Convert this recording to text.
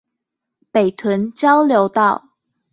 北屯交流道